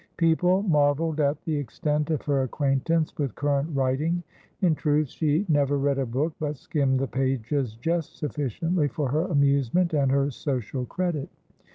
People marvelled at the extent of her acquaintance with current writing; in truth, she never read a book, but skimmed the pages just sufficiently for her amusement and her social credit.